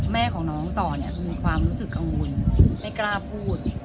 แม่ของน้องต่อเนี่ยมีความรู้สึกกังวลไม่กล้าพูด